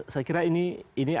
saya kira ini ada sebuah isu yang